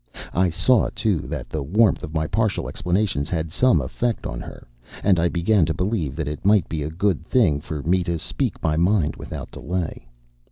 I saw, too, that the warmth of my partial explanations had had some effect on her, and I began to believe that it might be a good thing for me to speak my mind without delay.